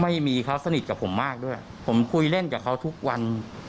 ไม่มีเขาสนิทกับผมมากด้วยผมคุยเล่นกับเขาทุกวัน